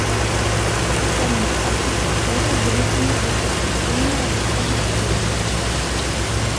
Помнік архітэктуры з рысамі рэтраспектыўна-рускага стылю.